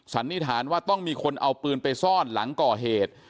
สันนิษฐานว่าต้องมีคนเอาปืนไปซ่อนหลังก่อเหตุ